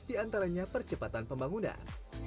di antaranya percepatan pembangunan